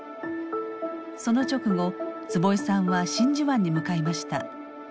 その直後坪井さんは真珠湾に向かいました。